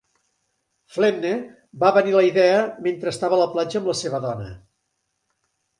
Flettner va venir la idea mentre estava a la platja amb la seva dona.